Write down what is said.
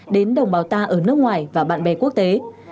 đến đồng bào ta ở nước ngoài và bạn bè quốc tế